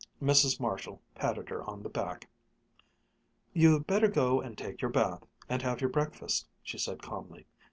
Mrs. Marshall patted her on the back. "You'd better go and take your bath, and have your breakfast," she said calmly.